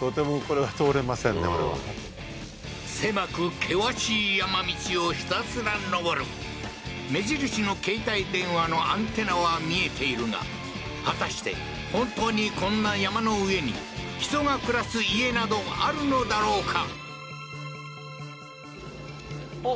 これは狭く険しい山道をひたすら上る目印の携帯電話のアンテナは見えているが果たして本当にこんな山の上に人が暮らす家などあるのだろうか？